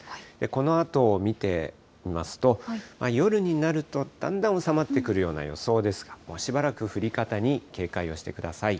このあとを見てみますと、夜になるとだんだん収まってくるような予想ですが、もうしばらく降り方に警戒をしてください。